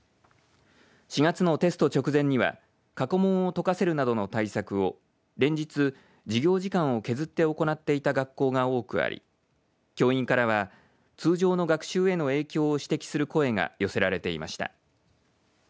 ４月のテスト直前には過去問を解かせるなどの対策を連日、授業時間を削って行っていた学校が多くあり教員からは通常の学習への影響を指摘する声が寄せられていました。